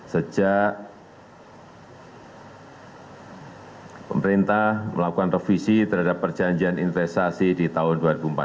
sejak pemerintah melakukan revisi terhadap perjanjian investasi di tahun dua ribu empat belas